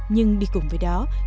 nhưng đi cùng với đọc giả việt